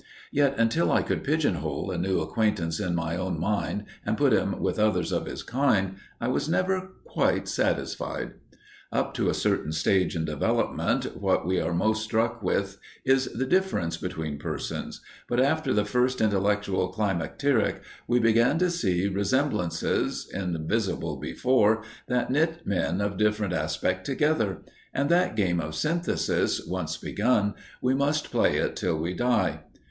Yet until I could pigeon hole a new acquaintance in my own mind and put him with others of his kind I was never quite satisfied. Up to a certain stage in development, what we are most struck with is the difference between persons, but after the first intellectual climacteric we begin to see resemblances, invisible before, that knit men of different aspect together; and, that game of synthesis once begun, we must play it till we die.